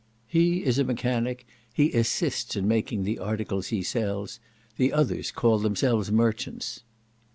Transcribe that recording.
"He is a mechanic; he assists in making the articles he sells; the others call themselves merchants."